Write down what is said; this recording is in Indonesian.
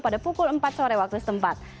pada pukul empat sore waktu setempat